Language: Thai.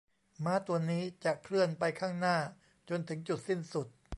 ม้าตัวนี้จะเคลื่อนไปข้างหน้าจนถึงจุดสิ้นสุด